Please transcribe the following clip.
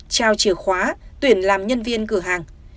trao chìa khóa tuyển làm nhân viên cửa hàng